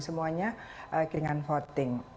semuanya dengan voting